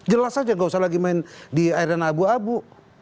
jelas saja gak usah lagi main di air dan abu abu